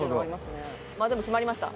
まあでも決まりました。